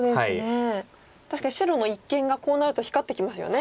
確かに白の一間がこうなると光ってきますよね。